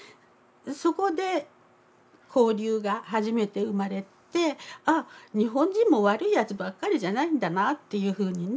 そこで交流が初めて生まれてあっ日本人も悪いやつばっかりじゃないんだなっていうふうにね